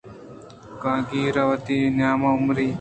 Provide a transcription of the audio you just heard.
کائیگر ءَ وتی نیم عمری